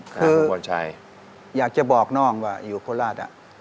คืออยากจะบอกน้องว่าอยู่โคราชอะ